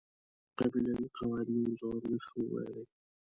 قبیلوي قواعد نور ځواب نشوای ویلای.